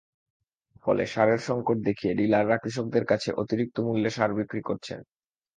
ফলে সারের সংকট দেখিয়ে ডিলাররা কৃষকদের কাছে অতিরিক্ত মূল্যে সার বিক্রি করছেন।